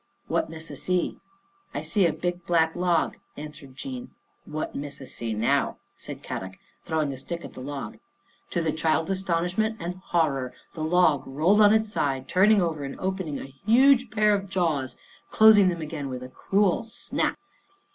" What Missa see?" 11 I see a big black log," answered Jean. "What Missa see now," said Kadok, throw ing a stick at the log. To the child's astonish ment and horror the log rolled on its side, turned over and opened a huge pair of jaws, closing them again with a cruel snap.